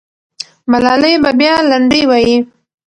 ملالۍ به بیا لنډۍ وایي.